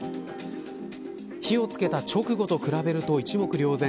火をつけた直後と比べると一目瞭然。